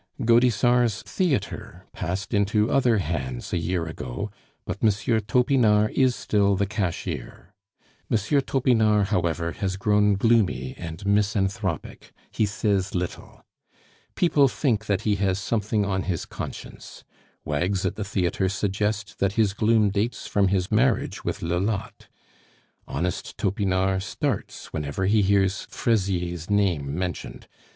Gaudissart's theatre passed into other hands a year ago, but M. Topinard is still the cashier. M. Topinard, however, has grown gloomy and misanthropic; he says little. People think that he has something on his conscience. Wags at the theatre suggest that his gloom dates from his marriage with Lolotte. Honest Topinard starts whenever he hears Fraisier's name mentioned.